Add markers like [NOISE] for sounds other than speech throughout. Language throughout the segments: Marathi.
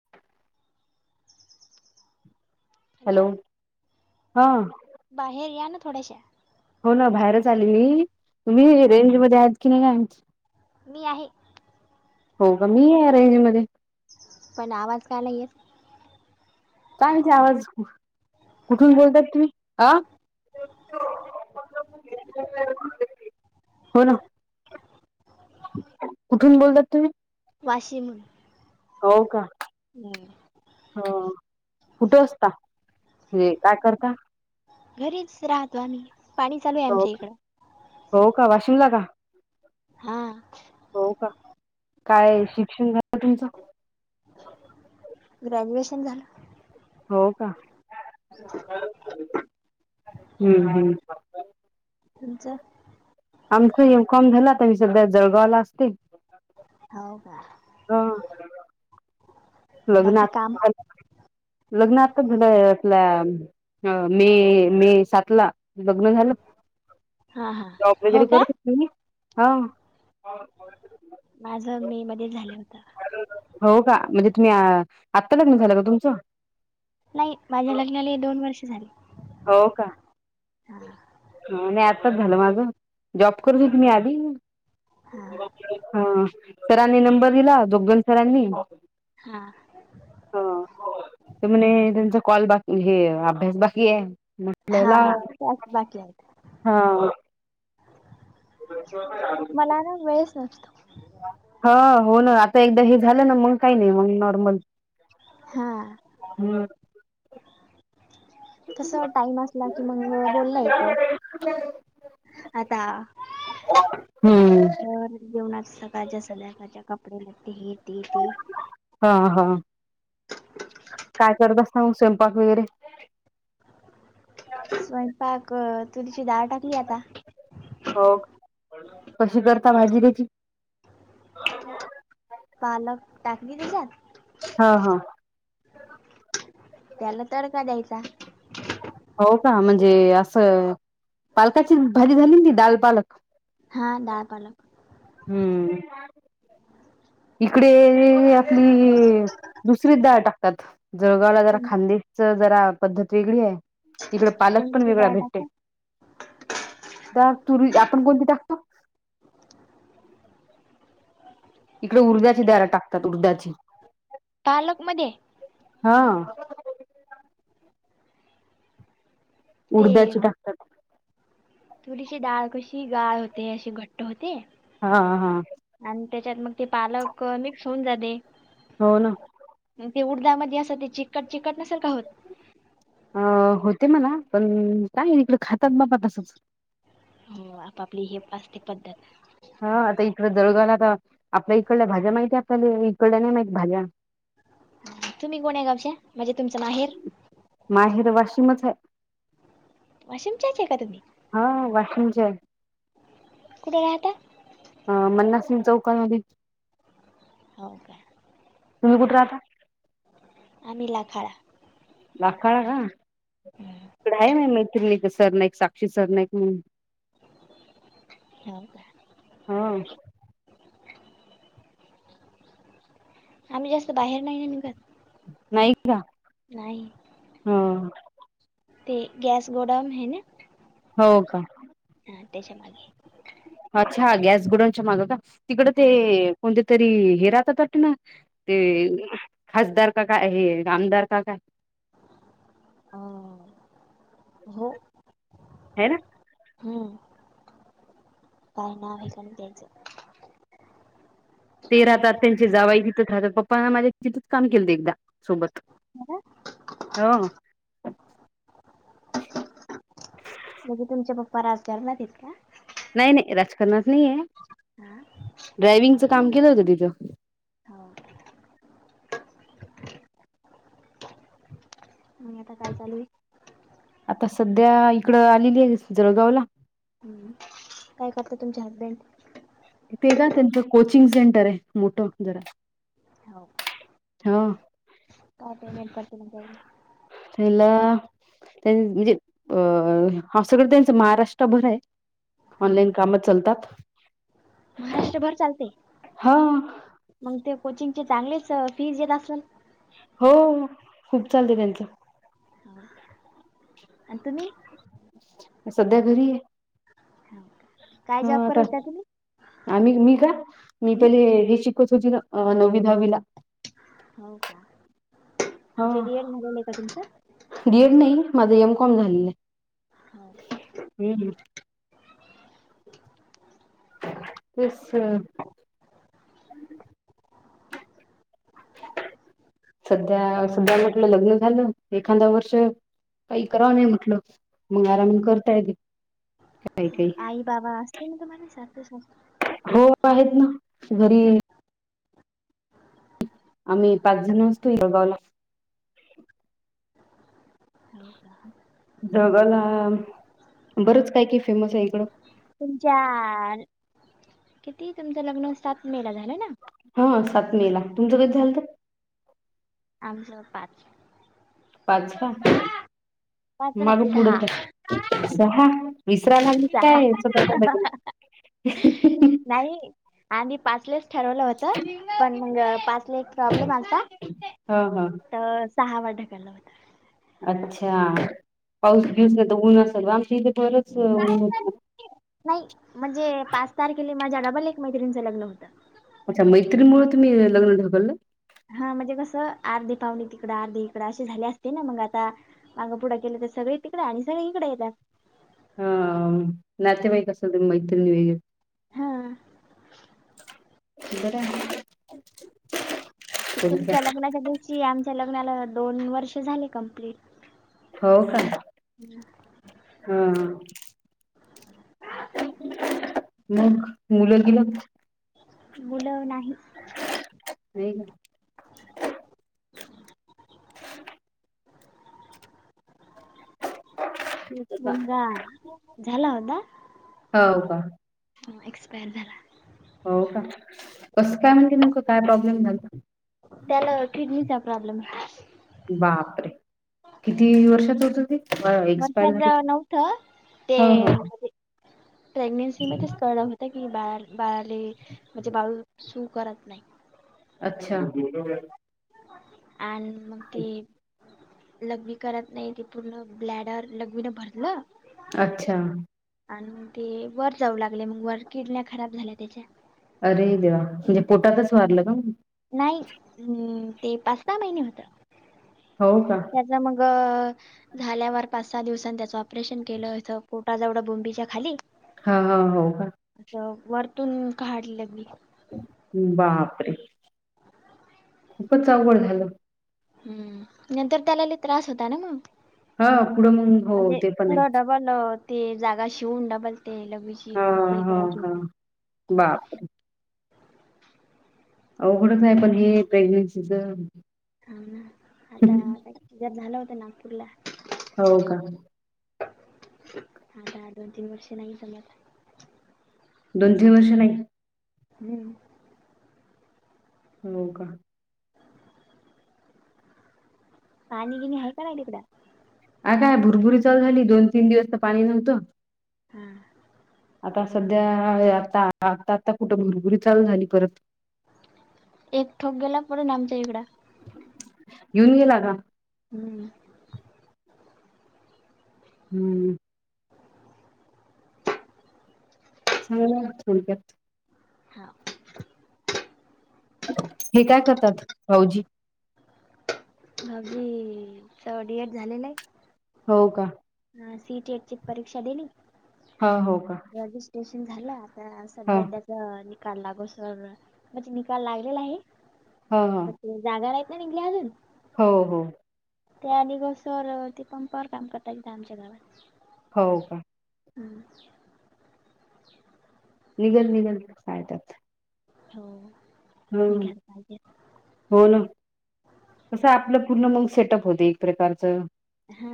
[INAUDIBLE] हॅलो हा बाहेर या ना थोड्याश्या हो ना बाहेरच आली मि हा तुम्ही रेंज मध्ये आहेत की नाही काय माहित मी आहे हो ग मी आहे रेंज मध्ये पण आवाज का नाही येत काय ते आवाज कुठून बोलतात तुम्ही आ हो ना कुठून बोलतात तुम्ही वाशी मधुन हो कां हं कुठे असतां हेे कायं करतां घरीचं राहतो आम्हीं पाणी चालूं आहे हो आमच्यां का इकडं हो कां वाशीम लां कां हां, हो कां कायं शिक्षणं झालं त्यांचं ग्रॅज्युएशनं झालं हो कां हम्मं हम्मं तुमचं आमचं एमकॉम झालं तरू संध्या जळगांवला असतेय. होव कां हां बाकी काम लग्नांत लग्नांत यावर्षी झालंय आपल्यां हं मे मे सात लां लग्नं झालं हा हा जॉब हो वगैरें का करतं असतीलं की हां माझं मे मध्यें झालं होतं. हो कां म्हणजे तुम्हींचं आत्तां लग्नं झालं कां तुमचं नाहीं माझ्यां लग्नांला दोन वर्ष झाली. हो कां हां हं नाहीं आताचं झालं माझं जॉब करूंनचं मी आली हा हां सरांनी नंबर दिलां दुग्गंल सरांनी हां हं ते म्हणे त्यांचा कॉल बांकी एक अभ्यांस बांकी आहे म्हटलं लावां त्यांचं बांकी आहेतं. हां उद्यां मलां नां वेळचं नसतो हं हो नां आतां एकदां हे झालं नां मंग कांहीं नाहीं मंग नॉर्मल हां हम्मं कसं टाईम असलां की मंग बोलला येतं हॅलो. आतां हम्म घरं जेवणांच सकाळच्यां संध्याकांळच्यां कांपू बोलते हे ते ते हं हं कायं करतं असतां मंग स्वयंपाक वगैरें स्वयंपाक तूरिची दांळ टांकली आतां हो कां कशी करतां भांजी त्यांची पालक टांकली तेच्यांत. हं हं त्यांला तडकां द्यांयचा. हो कां म्हणजे असं पालकांची भांजी झाली ती दांल पालक. हां डाळं पालक हम्मं इकडे आपली दुसरीचं डाळं टाकतांत जळगांवला जरां कोण खांदेश चं जरां पद्धतं वेगळी आहे इकडं पालक पणं कोणची वेगळां डाळ भेटते टाकू त्यां तं तुरीची आपणं कोणती टांकतो इकडे उळंदाची डाळं टांकतांत उळदाची पालक मंध्यें हां ते उडद्याची टाकतात. तुरीची डाळ कशी गाळ होते,, अशी घट्ट होते. हा हा. आणि त्याच्यात मग ते पालक मिक्स होऊन जाते. हो ना. ते उडदाामध्येध्ये असं ते चिकट, चिकट नसेल का होत. अ होते मला पण काय इकडं खातात बाबा तसंच. हो आपापली ही असते पद्धत. हा आता इकडं जळगावला तर आपल्या इकडू भाज्या माहिती आहे आपल्या इकडल्या नाही माहित भाज्या. तुम्ही कोण्या गावच्या म्हणजे तुमचं माहेर? माहेर वाशिमच आहे वाशिमच्याचे आहे का तुम्ही! हा वाशिमची आहे. कुठे राहता अ मन्नासिंग चौकामध्ये हो काय? तुम्ही कुठं राहता? आम्ही लाखाळा. लाखाळा का, इकडे आहे म मैत्रिणी एक सरनाईक साक्षी सरनाईक म्हणून. हो काय? हा. आम्ही जास्त बाहेर नाही ना निघत. नाही का? नाही हा हा. ते गॅस गोडाऊन आहे ना. हो का? हा त्याच्या मागे. अच्छा हा गॅस गोडाऊनच्या मागं का? तिकडं हा. ते कोणते? तरी हे राहतात वाटतं ना ते खासदार का काय हे आमदार का काय? आ हो. हे ना. हम् काय नाव हाय काय त्यांच. ते राहतात त्यांचे जावई तिथेच राहतात पप्पांना माझ्या तिथंच काम केलंत एकदा सोबत. ह ना. हां. म्हणजे तुमचे पप्पा राजकारणत आहेत का? नाही नाही राजकारणात नाहीये, हा ड्रायविंगच काम केलं होतं तिथं. हो. म आता काय चालूय? आता सध्या इकडं आलेली आहे जळगावला. हम्म. काय करता तुमचे हजबंड? ते का त्यांचं कोचिंग सेंटर आहे मोठं जरा. हो हा. काय पेमेंट पडते मग द्यायला? तयला त्यां म्हणजे अ हा सगळं त्यांचं महाराष्ट्रभर आहे. हम्म ऑनलाइन काम चालतात. महाराष्ट्रभर चालते हा मग ते कोचिंगचे चांगलेच फीज येत असल. हो खूप चालत त्यांचं. हा. आणि तुम्ही? सध्या घरी आहे. हो. काय हा जॉब करत आता, होता तुम्ही? आम्ही, मी का? मी हम्म पहिले हेची [UNINTELLIGIBLE] होती ना नववी दहावीला. हो का? म्हणजे डी एड झालेल आहे का तुमचं? डी एड नाही, माझं एम कॉम झालेलं आहे. हो. तेस [UNINTELLIGIBLE] सध्या, सध्या म्हटलं लग्न झालं, एखांदा वर्ष काही करावं नाही म्हटलं, मंग आराम करता येते काही [UNINTELLIGIBLE] आई बाबा असतील ना तुम्हाला, सासु-सासरे? हो आहेत ना, घरी आम्ही पाच जण असतो जळगावला. होव का? जळगावला बरंच काय काही फेमस आहे इकडं. तुमच्या, किती तुमचं लग्न सात मे ला झालं ना? हा सात मे ला, तुमचं कधी झालतं? आमचं पाच. पाच का? पाच नाही माग सहा पुढंच हाय. सहा, विसराय लागली सहा काय स्वतःच लग्न? नाही, आम्ही पाचलाच ठरवलं होतं, पण मग पाच ले एक प्रॉब्लेम आलता, हा हा तर सहा वर ढकललं होतं. अच्छा, पाऊस बिऊस नाही तर ऊन असल व, आमच्या इथे बरंच ऊन हो नाही, म्हणजे पाच तारखेला माझ्या डबल एक मैत्रिणीचं लग्न होतं. अच्छा, मैत्रीणमुळे तुम्ही लग्न ढकललं? हा म्हणजे कसं, अर्धे पावणे तिकडं अर्धे इकडं असे झाले असते ना, मग आता माग पुढं केलं तर सगळे तिकडे आणि सगळी इकडे येतात. हा, नातेवाई असेल मैत्रिण वगैरे. हा बरंय तुमच्या लग्नाच्या दिवशी आमच्या लग्नाला दोन वर्ष झाले कंप्लीट. हो का? हा. मग मुलं बिलं? मुलं नाही. नाही का? हम्म मुलगा झाला होता. हो का? मग एक्सपायर झाला. हो का? कसं काय म्हणजे नेमकं काय प्रॉब्लेम झाला? त्याला किडनीचा प्रॉब्लेम बापरे! किती वर्षाच होतं ते? एक्सपायर वर्षाच झाले ते नव्हतं, ते हो हो प्रेग्नेन्सी मध्येच कळलं होतं. त की बा बाळाले, म्हणजे बाळ सु करत नाही. अच्छा आणि मग ते, लघवी करत नाही ती पूर्ण ब्लॅडर लघवीनं भरलं अच्छा आणि म ते वर जाऊ लागले, मग वर किडण्या खराब झाल्या त्याच्या. अरे देवा! म्हणजे पोटातच वारलं का मग? नाही, म ते पाच सहा महिने होतं. हो का? त्याचं मग अ झाल्यावर पाच सहा दिवसांनी त्याचं ऑपरेशन केलं होतं खूप आज एवढा बेंबीच्या खाली हा, हा, हो का? असं वरतून काढलं मी बापरे. खूपच आवघड झाल. हम्म, नंतर त्याला लयी त्रास होता ना मग. हा पुढं मग हो म्हणजे ते पण आहे. पुढं डबल ते जागा शिवून डबलते लघवीची मोकळी करायची होती. बा.. अवघडंच आहे पण हे प्रेग्नेन्सीच. हाव न आता झाला होतं नागपूरला. हो, का? आता दोन, तीन वर्षे नाही जमत दोन, तीन वर्ष नाही हम्म. हो, का? पाणी, गिणी आहे का नाही तिकड? काय भुरभुरी, चालु झाली दोन, तीन दिवस तर पाणी नव्हत. हा, आ.. आता सध्या आता, आता, आता कुठं भुरभुरी चालू झाली परत. एक ठोक गेल्या परत आमच्याइकडं घेऊन गेला का? हम्म. हम्म. चांगल झाल थोडक्यात. हां, हे काय करतात? भाऊजी. भाऊजी न च डी, एड, झालेलं आहे. हो का? हा, सी, टी, एट ची परीक्षा दिली. हा, हो, का. रजिस्ट्रेशन झालं आता हा सध्या तर निकाल लागोस तर म्हणजे निकाल लागलेला आहे. हा, पण अ.. जागा नाहीत ना निघाल्या अजून हो, हो.. त्या आणि सर ते पंपावर काम करतात तिथ आमच्या गावात. हो का. हम्म. निघल, निघल काही त्यात. हो निघायला पाहिजे होना कस आपलं पूर्ण मग सेटअप होत एक प्रकारच. हा...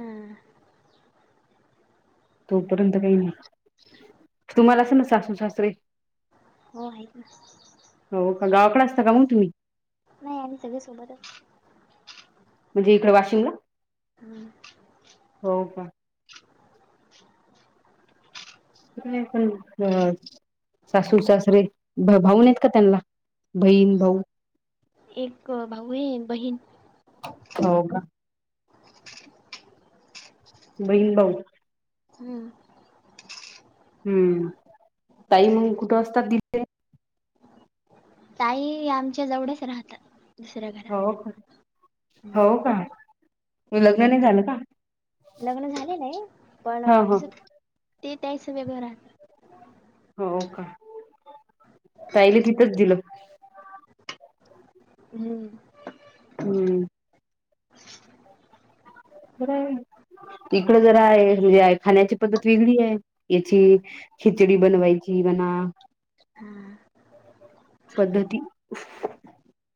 तोपर्यंत काही नाही. [UNINTELLIGIBLE] तुम्हाला असतील ना सासू, सासरे? हो आहेत ना. हो का गावाकडे असता का मग तुम्ही? नाही आणि सगळे सोबतच म्हणजे इकडे वाशिमला? हम्म. हो.... का? तस नाही पण सासू -सासरे भाऊ नाहीत का त्यांना बहीण भाऊ? एक भाऊ आहे ऐक बहीण हो..... का? बहीण -भाऊ हम्म हम्म ताई मग कुठं वाजता दिले. ताई आमच्या जवळच राहतात. दुसऱ्या घरात हो का हो का लग्न नाही झालं का? लग्न झालेल आहे ह पण ह ते त्यास वेगळ राहतात. हो का ताईला तिथच दिलं? हम्म हम्म [UNINTELLIGIBLE] इकड जरा आहे म्हणजे खाण्याची पद्धत वेगळी आहे याची खिचडी बनवायची बना हा पद्धती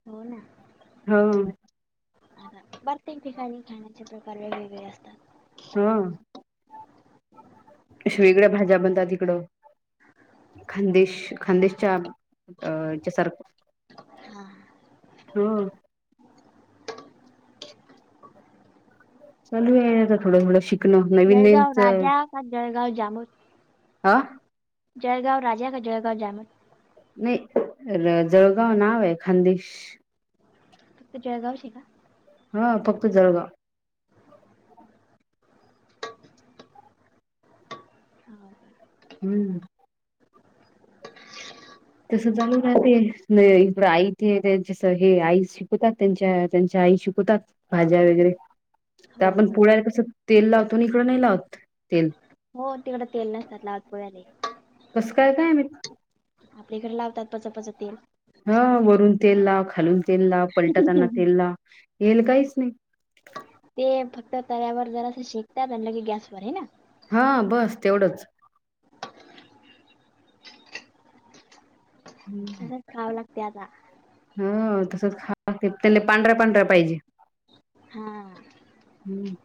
हो ना हो आता प्रत्येक ठिकाणी खाण्याचे प्रकार वेगवेगळे असतात. हा अशा वेगळ्या भाज्या बनतात इकडं. खानदेश खानदेशच्या सारख हा हो चालू आहे थोडंथोड शिक जळगाव राजा का जळगाव जाम हा जळगाव राजा का जळगाव जामन? नाही जळगाव नाव आहे खानदेश? जळगाव शी का? हा फक्त जळगाव. हम्म तस चालु राहते आईचे ते त्यांच्या हे आई शिकवतात त्यांच्यात. त्यांच्या आई शिकवतात भाज्या वगैरे? हो तर हो आपण हो पोळ्याला कसं तेल लावतो आणि इकडं नाही लावत? तेल हो तिकडं तेल नसतात लावत पोळ्याले. तसं काय काय माहित. आपले एकड लावतात पचपच तेल. हा वरून तेल लाव खालून तेल लाव पलटताना तेल लाव येल काहीच नाही. ते फक्त तव्यावर जरा असं शेकतात आणलं की गॅसवर आहे ना? हा बस तेवढंच. तसंच खावं लागते आता? हो तसच खाव तेले पांढऱ्या पांढऱ्या पाहिजे? हा [INAUDIBLE]